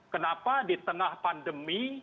kenapa di tengah pandemi